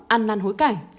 ăn năn hối cảnh